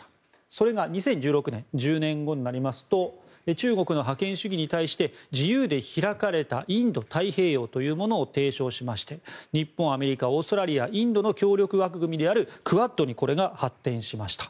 それが２０１６年１０年後になりますと中国の覇権主義に対して自由で開かれたインド太平洋というものを提唱しまして日本、アメリカ、オーストラリアインドの協力枠組みであるクアッドにこれが発展しました。